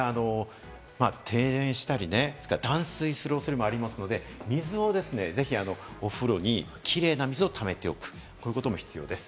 停電したり、断水するおそれもありますので、水をぜひお風呂にキレイな水を溜めておく、こういうことも必要です。